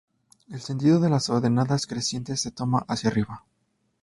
El sentido de las ordenadas crecientes se toma hacia arriba.